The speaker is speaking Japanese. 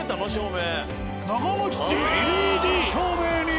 長もちするＬＥＤ照明に。